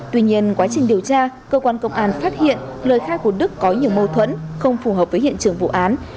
tuy nhiên quá trình điều tra cơ quan công an phát hiện lời khai của đức có nhiều mâu thuẫn không phù hợp với hiện trường vụ án